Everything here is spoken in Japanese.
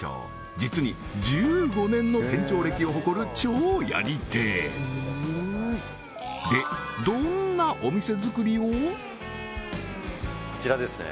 実に１５年の店長歴を誇る超やり手でこちらですね